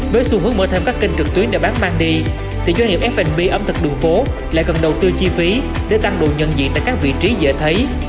với xu hướng mở thêm các kênh trực tuyến để bán mang đi thì doanh nghiệp f b ẩm thực đường phố lại cần đầu tư chi phí để tăng độ nhận diện tại các vị trí dễ thấy